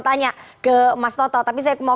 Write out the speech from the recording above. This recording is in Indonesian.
tanya ke mas toto tapi saya mau